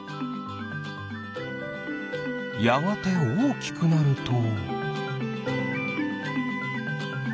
やがておおきくなると。